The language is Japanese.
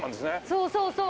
そうそうそう。